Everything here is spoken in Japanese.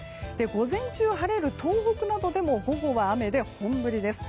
午前中晴れる東北などでも午後は雨で本降りです。